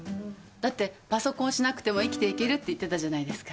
だってパソコンしなくても生きていけるって言ってたじゃないですか。